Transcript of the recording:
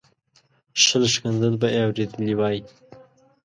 شل ښکنځل به یې اورېدلي وای.